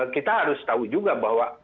kita harus tahu juga bahwa